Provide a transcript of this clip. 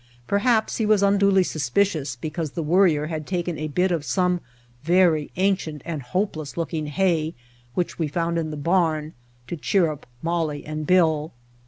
Perhaps he was unduly suspicious because the Worrier had taken a bit of some very ancient and hope less looking hay, which we found in the barn, to cheer up Molly and Bill.